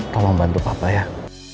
tolong bantu papa yah